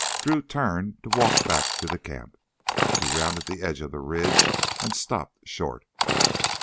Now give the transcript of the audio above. Drew turned to walk back to the camp. He rounded the end of the ridge and stopped short.